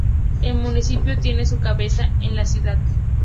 El municipio tiene su cabecera en la Cd.